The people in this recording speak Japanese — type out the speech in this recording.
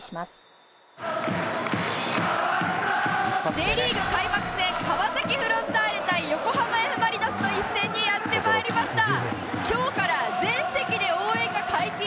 Ｊリーグ開幕戦川崎フロンターレ対横浜Ｆ・マリノスの一戦にやって参りました。